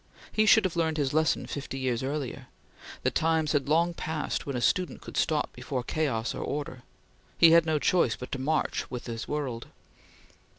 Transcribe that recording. He should have learned his lesson fifty years earlier; the times had long passed when a student could stop before chaos or order; he had no choice but to march with his world.